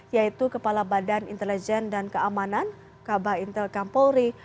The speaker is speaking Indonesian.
yaitu kepala badan intelijen dan keamanan kabah intelkam polri